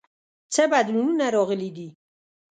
څه بدلونونه راغلي دي؟